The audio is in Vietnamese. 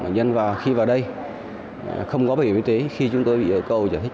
nhân vào khi vào đây không có bảo hiểm y tế khi chúng tôi bị cầu trả thích